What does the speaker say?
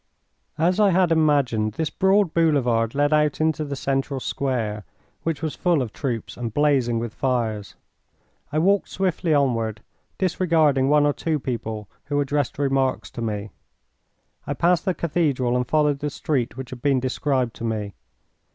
As I had imagined, this broad boulevard led out into the central square, which was full of troops and blazing with fires. I walked swiftly onward, disregarding one or two people who addressed remarks to me. I passed the cathedral and followed the street which had been described to me.